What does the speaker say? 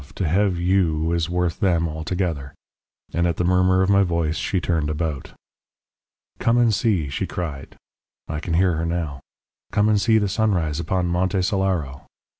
to have YOU is worth them all together.' And at the murmur of my voice she turned about. "'Come and see,' she cried I can hear her now 'come and see the sunrise upon Monte Solaro.'